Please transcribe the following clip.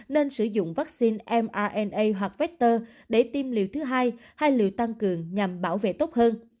nên sử dụng vaccine mna hoặc vector để tiêm liều thứ hai hay liệu tăng cường nhằm bảo vệ tốt hơn